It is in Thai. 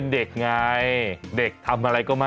โอ้น่ารัก